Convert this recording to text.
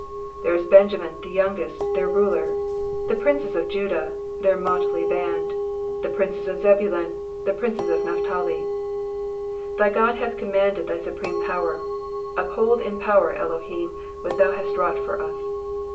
28 There is Benjamin the youngest, their ruler ; The princes of Judah r their motley band, The princes of Zebulun, the princes of Naphtali, 29 Thy God hath commanded thy supreme power — Uphold in power, Elohim, what Thou hast wrought for us